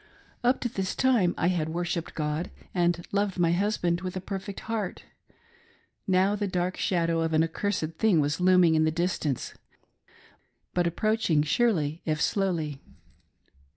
Up to this time I had worshipped God and loved my hushand with a perfect heart. Now the dark shadow of an accursed thing was looming in the distance, but approach ing surely if slowly.